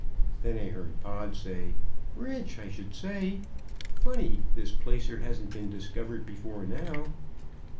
Then I heard Pod say, "Rich, I should say! Funny this placer hasn't been discovered before now."